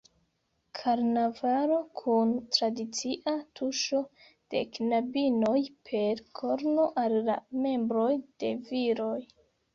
Karnavalo kun tradicia tuŝo de knabinoj per korno al la "membroj" de viroj.